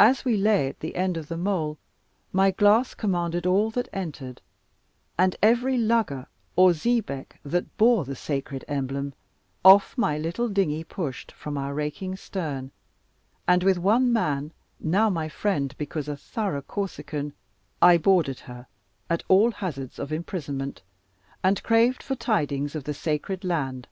As we lay at the end of the mole, my glass commanded all that entered; and every lugger or xebec that bore the sacred emblem off my little dingy pushed from our raking stern, and with one man, now my friend because a thorough Corsican, I boarded her, at all hazards of imprisonment; and craved for tidings of the sacred land.